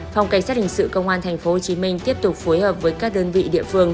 phòng cảnh sát hình sự công an tp hcm tiếp tục phối hợp với các đơn vị địa phương